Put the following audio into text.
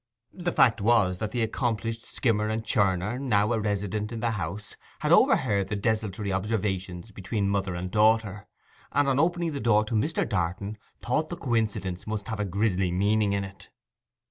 The fact was that that accomplished skimmer and churner (now a resident in the house) had overheard the desultory observations between mother and daughter, and on opening the door to Mr. Darton thought the coincidence must have a grisly meaning in it.